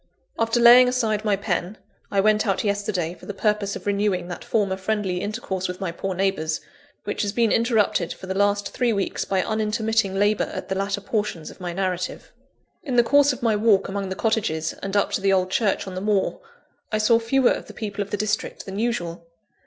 After laying aside my pen, I went out yesterday for the purpose of renewing that former friendly intercourse with my poor neighbours, which has been interrupted for the last three weeks by unintermitting labour at the latter portions of my narrative. In the course of my walk among the cottages and up to the old church on the moor, I saw fewer of the people of the district than usual.